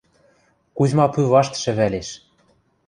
Кузьма пӱ вашт шӹвӓлеш.